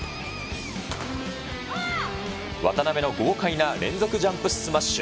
渡辺の豪快な連続ジャンプスマッシュ。